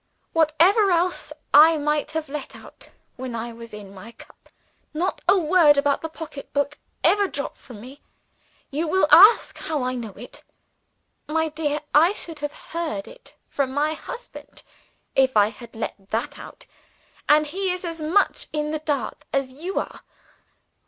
Whatever else I might let out, when I was in my cups, not a word about the pocketbook ever dropped from me. You will ask how I know it. My dear, I should have heard of it from my husband, if I had let that out and he is as much in the dark as you are.